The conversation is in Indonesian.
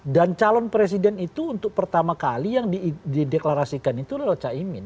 dan calon presiden itu untuk pertama kali yang dideklarasikan itu lalu cak imin